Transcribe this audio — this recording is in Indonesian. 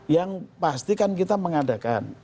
yang pasti kan kita mengadakan